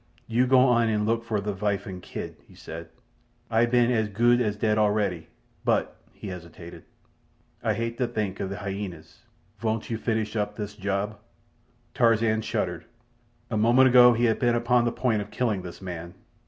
"You go on an' look for the vife an' kid," he said. "Ay ban as gude as dead already; but"—he hesitated—"Ay hate to think of the hyenas. Von't you finish up this job?" Tarzan shuddered. A moment ago he had been upon the point of killing this man.